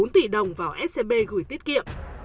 tỷ đồng vào scb gửi tiết kiệm